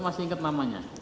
masih inget namanya